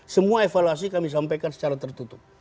semua evaluasi kami sampaikan secara tertutup